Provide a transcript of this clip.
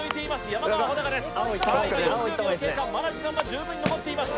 山川穂高ですさあ今４０秒経過まだ時間は十分に残っています